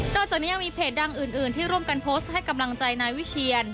จากนี้ยังมีเพจดังอื่นที่ร่วมกันโพสต์ให้กำลังใจนายวิเชียน